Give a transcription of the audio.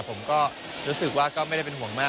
ผมก็รู้สึกว่าก็ไม่ได้เป็นห่วงมาก